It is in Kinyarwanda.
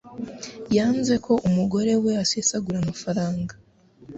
Yanze ko umugore we asesagura amafaranga.